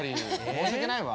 申し訳ないわ。